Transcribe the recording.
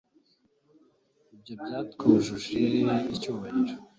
Ibyo byatwujuje icyubahiro